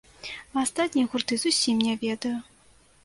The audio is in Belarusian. А астатнія гурты зусім не ведаю.